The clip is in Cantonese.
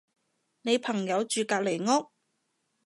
你朋友住隔離屋？